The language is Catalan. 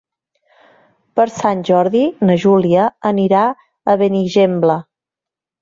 Per Sant Jordi na Júlia anirà a Benigembla.